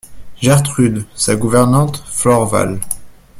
Gertrude, sa gouvernante Florval.